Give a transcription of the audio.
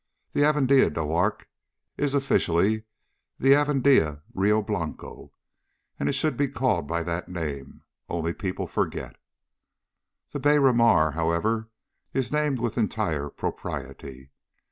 The Avenida do Acre is officially the Avenida Rio Blanco, and it should be called by that name, only people forget. The Beira Mar, however, is named with entire propriety.